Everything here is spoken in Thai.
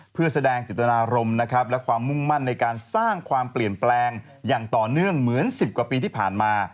เพื่อแสดงจิตนารมณ์นะครับและความมุ่งมั่นในการสร้างความเปลี่ยนแปลงอย่างต่อเนื่องเหมือน๑๐กว่าปีที่ผ่านมา